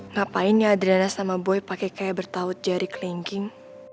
ngapain ya adriana sama boy pake kayak bertaut jari kelingking